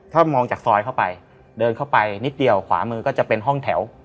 ถ้ามองจากซอยเข้าไปเดินเข้าไปนิดเดียวขวามือก็จะเป็นห้องแถว